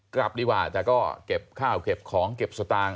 กลับดีกว่าแต่ก็เก็บข้าวเก็บของเก็บสตางค์